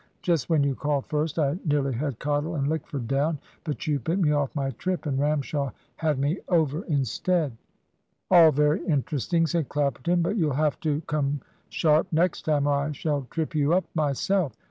Just when you called first, I nearly had Cottle and Lickford down, but you put me off my trip, and Ramshaw had me over instead." "All very interesting," said Clapperton, "but you'll have to come sharp next time or I shall trip you up myself.